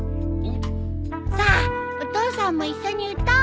さあお父さんも一緒に歌おう！